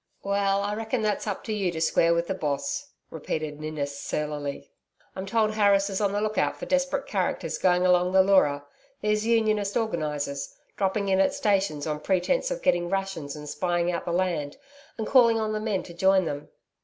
'Well, I reckon that's up to you to square with the Boss,' repeated Ninnis surlily. 'I'm told Harris is on the look out for desperate characters going along the Leura these unionist organisers dropping in at stations on pretence of getting rations and spying out the land, and calling on the men to join them.